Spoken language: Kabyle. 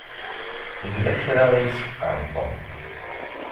Yella kra i yesfeqɛen Tom.